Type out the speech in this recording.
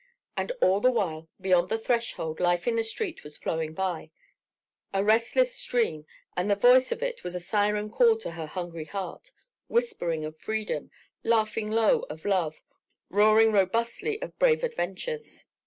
And all the while, beyond the threshold, life in the street was flowing by, a restless stream, and the voice of it was a siren call to her hungry heart, whispering of freedom, laughing low of love, roaring robustly of brave adventures.